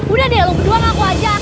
udah deh lo berdua ngaku aja